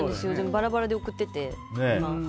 バラバラで送ってて、今。